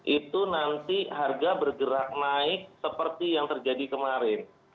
itu nanti harga bergerak naik seperti yang terjadi kemarin